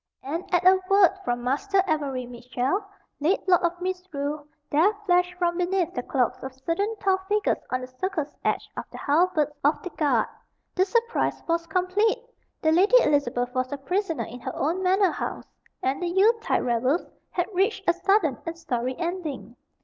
And at a word from Master Avery Mitchell, late Lord of Misrule, there flashed from beneath the cloaks of certain tall figures on the circle's edge the halberds of the guard. The surprise was complete. The Lady Elizabeth was a prisoner in her own manor house, and the Yule tide revels had reached a sudden and sorry ending.